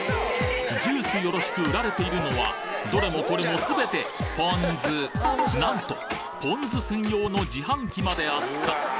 ジュースよろしく売られているのはどれもこれもすべてポン酢なんとポン酢専用の自販機まであった！